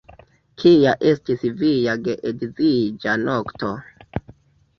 Kia estis via geedziĝa nokto?